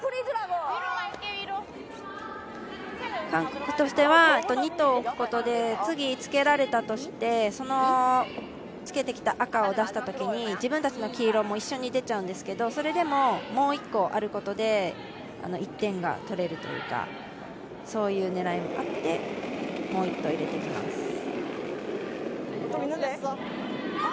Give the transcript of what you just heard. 韓国としてはあと２投置くことで、つけられたとしてそのつけてきた赤を出したときに自分たちの黄色も一緒に出ちゃうんですけど、それでももう一個あることで、１点が取れるというか、そういう狙いもあってもう１投入れていきます。